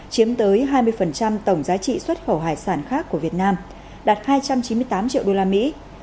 chiếm tới hai mươi tổng giá trị xuất khẩu hải sản khác của việt nam đạt hai trăm chín mươi tám triệu đô la mỹ